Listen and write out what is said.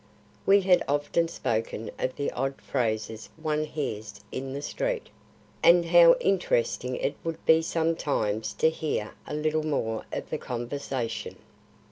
We had often spoken of the odd phrases one hears in the street, and how interesting it would be sometimes to hear a little more of the conversation.